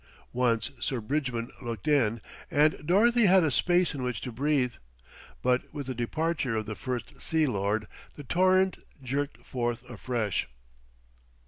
Once Sir Bridgman looked in, and Dorothy had a space in which to breathe; but with the departure of the First Sea Lord the torrent jerked forth afresh.